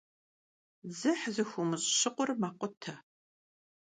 Dzıh zıxuumış' şıkhur mekhute.